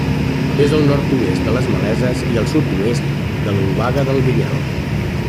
És al nord-oest de les Maleses i al sud-oest de l'Obaga del Vinyal.